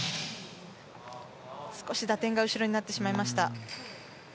少し、打点が後ろになってしまいました。